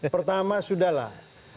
pertama sudah lah